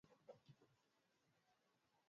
kwa wafanyabiashara Wahindi katika miji mikubwa ya